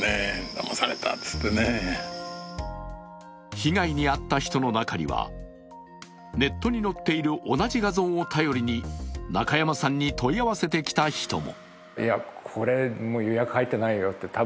被害に遭った人の中には、ネットに載っている同じ画像を頼りに中山さんに問い合わせてきた人も。